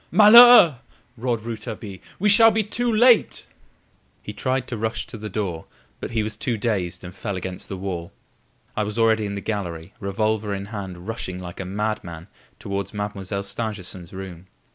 "Malheur!" roared Rouletabille; "we shall be too late!" He tried to rush to the door, but he was too dazed, and fell against the wall. I was already in the gallery, revolver in hand, rushing like a madman towards Mademoiselle Stangerson's room.